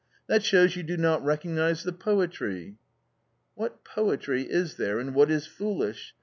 That shows you do not recognise the poetry." "What poetry is there in what is foolish?